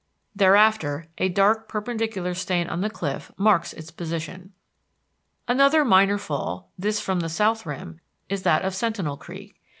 Thereafter a dark perpendicular stain on the cliff marks its position. Another minor fall, this from the south rim, is that of Sentinel Creek.